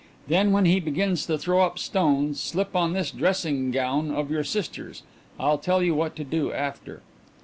Then when he begins to throw up stones slip on this dressing gown of your sister's. I'll tell you what to do after."